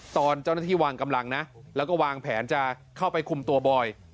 ตอนเจ้าหน้าที่วางกำลังนะแล้วก็วางแผนจะเข้าไปคุมตัวบอย